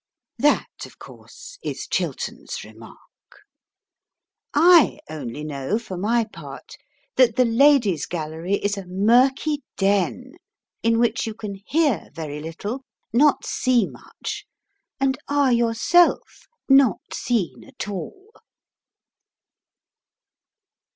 That, of course, is Chiltern's remark. I only know, for my part, that the Ladies' Gallery is a murky den, in which you can hear very little, not see much, and are yourself not seen at all.